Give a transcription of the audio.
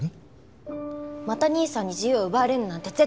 また兄さんに自由を奪われるなんて絶対に嫌。